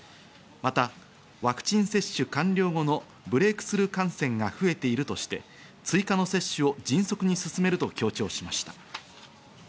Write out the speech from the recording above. またワクチン接種完了後のブレイクスルー感染が増えているとして、追加の接種を迅速に進めると強調しました。